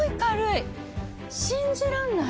信じられない。